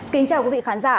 kính chào quý vị khán giả